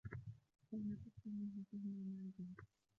فَإِنْ أَتَتْك مِنْهَا سُهْمَةٌ مَعَ جَهْلٍ